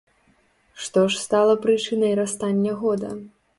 Што ж стала прычынай расстання года?